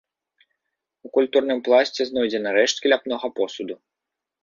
У культурным пласце знойдзены рэшткі ляпнога посуду.